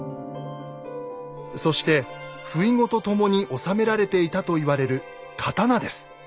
そしてふいごと共に納められていたと言われる刀です。